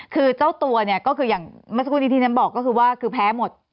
คือเจ้าตัวเนี่ยก็คืออย่างเมื่อสักครู่นี้ที่ฉันบอกก็คือว่าคือแพ้หมด